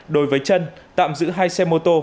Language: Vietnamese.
đối với trân tạm giữ hai xe mô tô